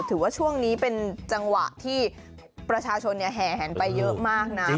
ถือว่าช่วงนี้เป็นจังหวะที่ประชาชนแห่แหนไปเยอะมากนะ